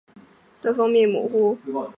动态模糊发生在单一方向的模糊。